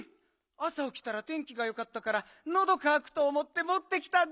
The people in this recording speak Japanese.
あさおきたら天気がよかったからのどかわくとおもってもってきたんだった。